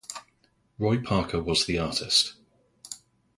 Roy Parker was the artist.